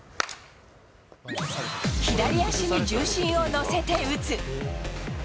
左足に重心を乗せて打つ。